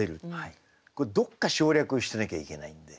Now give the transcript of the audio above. これどっか省略してなきゃいけないんで。